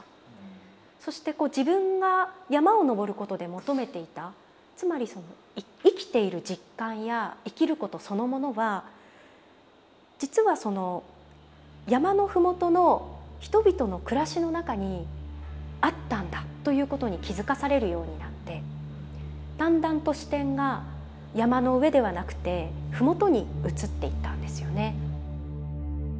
そして自分が山を登ることで求めていたつまりその生きている実感や生きることそのものは実はその山の麓の人々の暮らしの中にあったんだということに気付かされるようになってだんだんと視点が山の上ではなくて麓に移っていったんですよね。